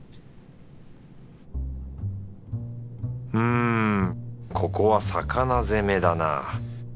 うんここは魚攻めだな。